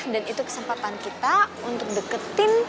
dan itu kesempatan kita untuk deketin